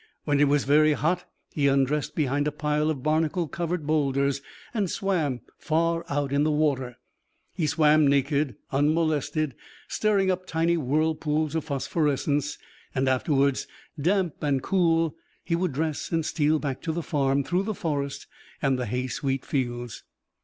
When it was very hot he undressed behind a pile of barnacle covered boulders and swam far out in the water. He swam naked, unmolested, stirring up tiny whirlpools of phosphorescence, and afterwards, damp and cool, he would dress and steal back to the barn through the forest and the hay sweet fields.